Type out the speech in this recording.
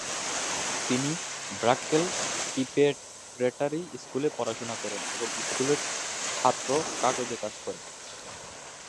তিনি Berkeley preparatory স্কুলে পড়াশোনা করেন এবং স্কুলের ছাত্র কাগজে কাজ করেন।